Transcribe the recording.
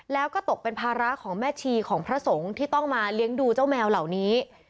แล้วก็ตกเป็นภาระของแม่ชีของพระสงฆ์ที่ต้องมาเลี้ยงดูเจ้าแมวเหล่านี้